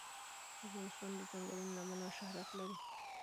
افغانستان د ځنګلونه له امله شهرت لري.